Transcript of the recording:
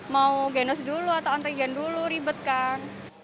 mau genus dulu atau antigen dulu ribet kan